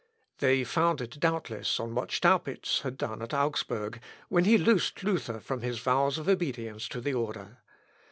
They founded doubtless on what Staupitz had done at Augsburg, when he loosed Luther from his vows of obedience to the order.